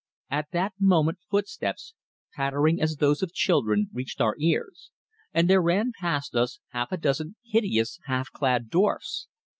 At that moment footsteps, pattering as those of children, reached our ears and there ran past us half a dozen hideous half clad dwarfs.